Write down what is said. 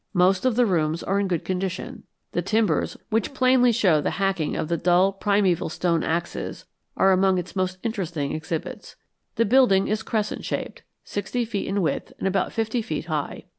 Most of the rooms are in good condition. The timbers, which plainly show the hacking of the dull primeval stone axes, are among its most interesting exhibits. The building is crescent shaped, sixty feet in width and about fifty feet high.